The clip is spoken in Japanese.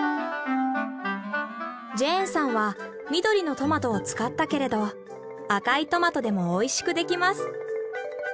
ジェーンさんは緑のトマトを使ったけれど赤いトマトでもおいしくできます。